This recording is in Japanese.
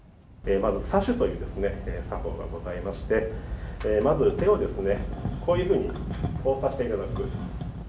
まずさ手という作法がございましてまず手をですねこういうふうに交差していただく。